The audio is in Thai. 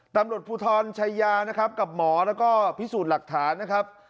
ตำรวจภูทรชายานะครับกับหมอแล้วก็พิสูจน์หลักฐานนะครับ